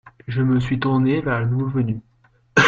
Je me suis tourné vers le nouveau venu.